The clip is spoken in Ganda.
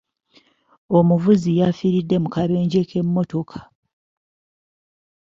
Omuvuzi yafiiridde mu kabenje k'emmotoka.